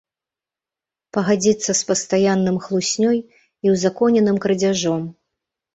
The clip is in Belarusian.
Пагадзіцца з пастаянным хлуснёй і ўзаконеным крадзяжом.